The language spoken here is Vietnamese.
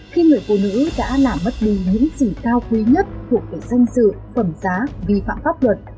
khi người phụ nữ đã làm mất đi những gì cao quý nhất thuộc về danh sự phẩm giá vi phạm pháp luật